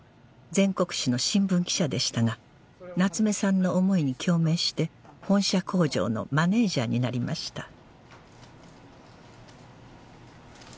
全国紙の新聞記者でしたが夏目さんの思いに共鳴して本社工場のマネージャーになりました